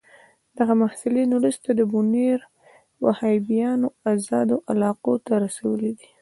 دغه محصلین وروسته د بونیر وهابیانو آزادو علاقو ته رسولي دي.